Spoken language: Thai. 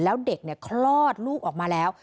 แล้วเด็กคลอดลูกออกมาแล้ว